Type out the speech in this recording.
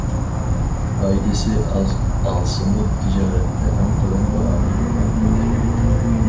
پايدىسى ئاز ئالسىمۇ، تىجارەتتە ئەڭ تۆۋەن باھانى يولغا قويدى.